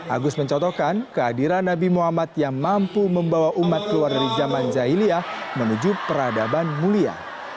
agus mencotokkan kehadiran nabi muhammad yang mampu membawa umat keluar dari zaman zahiliyah menuju peradaban mulia